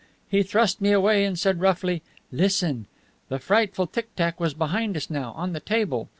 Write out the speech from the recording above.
He thrust me away and said roughly, 'Listen.' The frightful tick tack was behind us now, on the table.